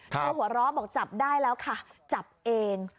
หัวเราะบอกจับได้แล้วค่ะจับเอง